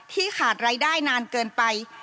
ขาดรายได้นานเกินไป